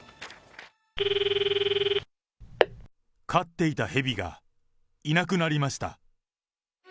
飼っていたヘビがいなくなりました。